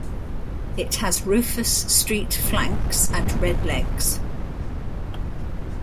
It has rufous-streaked flanks and red legs.